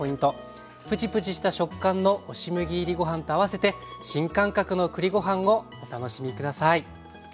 ぷちぷちした食感の押し麦入りご飯と合わせて新感覚の栗ご飯をお楽しみ下さい。